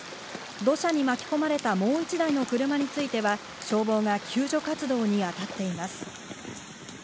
土砂に巻き込まれたもう１台の車については消防が救助活動に当たっています。